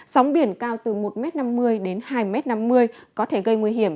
sóng biển cao từ một m năm mươi đến hai m năm mươi có thể gây nguy hiểm